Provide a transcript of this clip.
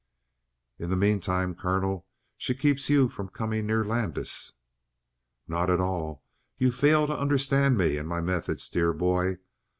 "In the meantime, colonel, she keeps you from coming near Landis?" "Not at all! You fail to understand me and my methods, dear boy.